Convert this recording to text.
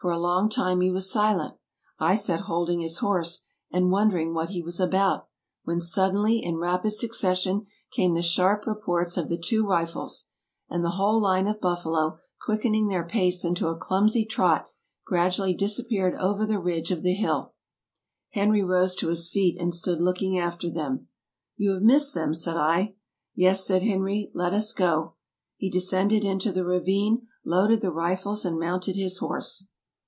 For a long time he was silent ; I sat holding his horse, and wondering what he was about, when sud denly, in rapid succession, came the sharp reports of the two rifles, and the whole line of buffalo, quickening their pace into a clumsy trot, gradually disappeared over the ridge of the hill. Henry rose to his feet and stood looking after them. " You have missed them," said I. " Yes," said Henry; " let us go." He descended into the ravine, loaded the rifles and mounted his horse.